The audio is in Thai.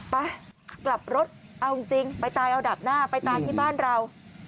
ไปกลับรถเอาจริงไปตายเอาดับหน้าไปตายที่บ้านเรา